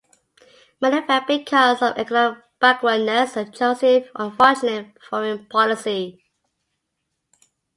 Many failed because of economic backwardness and Joseph's unfortunate foreign policy.